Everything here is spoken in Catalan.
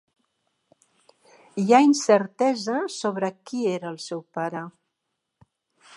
Hi ha incertesa sobre qui era el seu pare.